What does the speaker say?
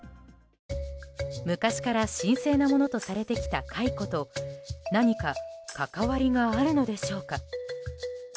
昔から神聖なものとされてきたカイコと何か関わりがあるのでしょうか。